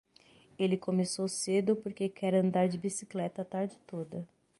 Ele começou cedo porque quer andar de bicicleta a tarde toda.